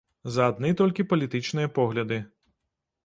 За адны толькі палітычныя погляды.